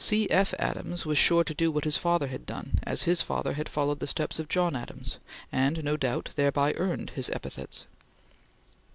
C. F. Adams was sure to do what his father had done, as his father had followed the steps of John Adams, and no doubt thereby earned his epithets.